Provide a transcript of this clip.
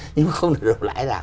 nhưng mà không được đồng lãi nào